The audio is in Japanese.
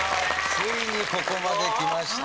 ついにここまできました。